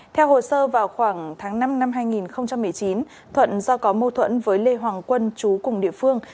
theo hồ sơ vào khoảng tháng năm năm hai nghìn một mươi chín thuận do có mâu thuẫn với lê hoàng quân chú cùng địa phương